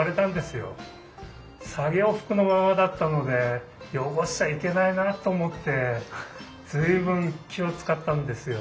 作業服のままだったので汚しちゃいけないなあと思って随分気を遣ったんですよ。